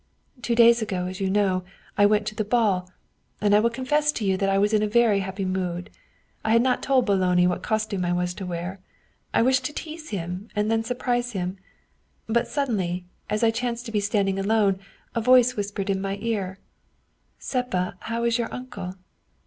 Two days ago, as you know, I went to the ball, and I will confess to you that I was in a very happy mood. I had not told Boloni what costume I was to wear. I wished to tease him and then surprise him. But suddenly, as I chanced to be standing alone, a voice whispered in my ear, ' Seppa, how is your uncle?'